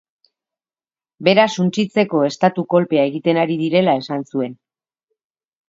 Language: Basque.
Bera suntsitzeko estatu kolpea egiten ari direla esan zuen.